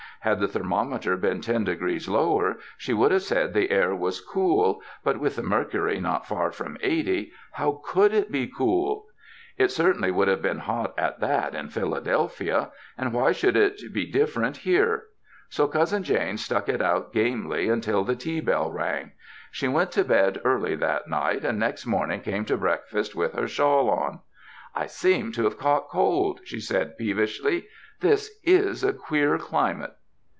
Had the thermometer been ten degrees lower, she would have said the air was cool, but with the mercury not far from eighty, how could it be cool? It certainly would have been hot at that in Philadelphia, and why should it be different here? So Cousin Jane stuck it out gamely until the tea bell rang. She went to bed early that night, and next morning came to breakfast with her shawl on. '' I seem to have caught cold, '' she said peevishly. "This is a queer climate."